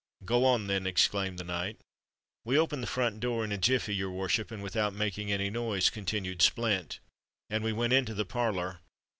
"Go on, then," exclaimed the knight. "We opened the front door in a jiffey, your worship, and without making any noise," continued Splint; "and we went into the parlour.